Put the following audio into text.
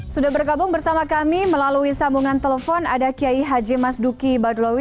sudah bergabung bersama kami melalui sambungan telepon ada kiai haji mas duki badulawi